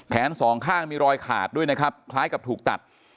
สองข้างมีรอยขาดด้วยนะครับคล้ายกับถูกตัด